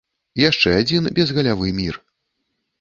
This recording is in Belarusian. Яшчэ адзін безгалявы мір.